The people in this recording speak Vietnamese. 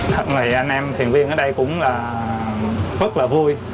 thật này anh em thuyền viên ở đây cũng là rất là vui